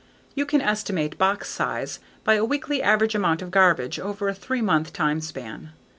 You can estimate box size by a weekly average amount of garbage over a three month time span.